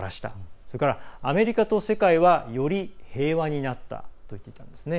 それからアメリカと世界はより平和になったと言っていたんですね。